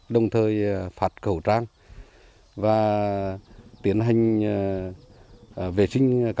đồng thời phạt khẩu trang và tiến hành vệ sinh các thôn bản